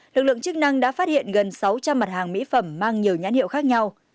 lực lượng chức năng đã phát hiện gần sáu trăm linh mặt hàng mỹ phẩm mang nhiều nhãn hiệu khác nhau